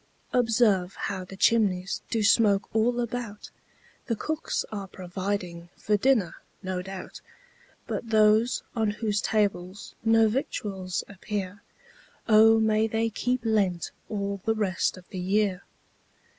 Observe how the chimneys Do smoke all about; The cooks are providing For dinner, no doubt; But those on whose tables No victuals appear, O may they keep Lent All the rest of the year.